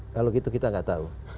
kalau gitu kita nggak tahu